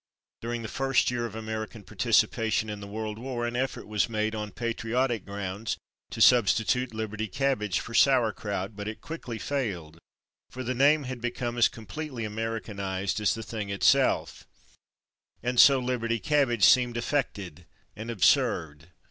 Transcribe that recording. During the first year of American participation in the World War an effort was made, on patriotic grounds, to substitute /liberty cabbage/ for /sour kraut/, but it quickly failed, for the name had become as completely Americanized as the thing itself, and so /liberty cabbage/ seemed affected and absurd.